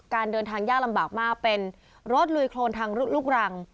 การเดินทางยากลำบากมากเป็นรถลุยโครนทางลูกรัง